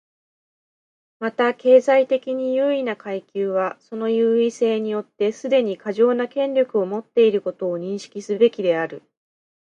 また、経済的に優位な階級はその優位性によってすでに過剰な権力を持っていることを認識すべきである。